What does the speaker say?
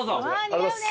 似合うね。